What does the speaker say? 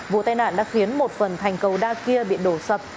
vụ tai nạn đã khiến một phần thành cầu đa kia bị đổ sập